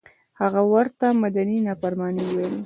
هغه ورته مدني نافرماني وویله.